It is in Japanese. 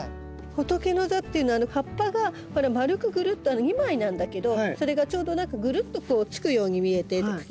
ホトケノザっていうのは葉っぱが丸くグルッと２枚なんだけどそれがちょうどグルッとこうつくように見えて茎に。